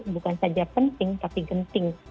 bukan saja penting tapi genting